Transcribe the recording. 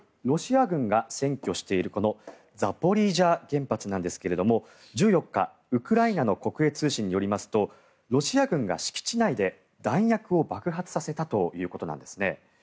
ロシア軍が占拠しているこのザポリージャ原発なんですが１４日、ウクライナの国営通信によりますとロシア軍が敷地内で弾薬を爆発させたということです。